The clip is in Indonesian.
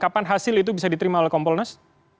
kapan hasil itu bisa diterima oleh kompolnas